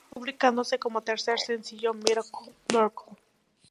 Publicándose como tercer sencillo Miracle.